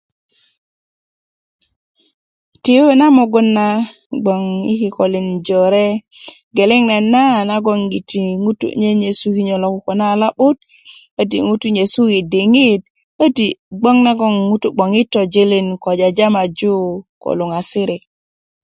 tiyu na mugun na gboɲ yi kikolin jore geleŋ nayit na a nagoŋgiti ŋutu' nyenyesu kinyo lo kukuna a lo'bit köti kukuna yi diŋit köti' gboŋ nagoŋ ŋutu' gboŋ yi tojulin ko jajamaju ko luŋasirik